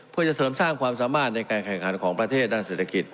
เพื่อจะเสริมสร้างความสามารถในการแข่งขันของประเทศด้านเศรษฐกิจ